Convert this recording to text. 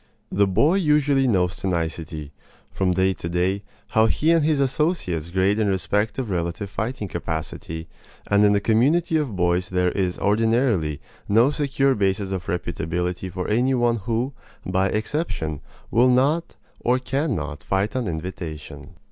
The boy usually knows to nicety, from day to day, how he and his associates grade in respect of relative fighting capacity; and in the community of boys there is ordinarily no secure basis of reputability for any one who, by exception, will not or can not fight on invitation.